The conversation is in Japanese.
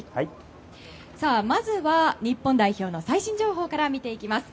まずは日本代表の最新情報から見ていきます。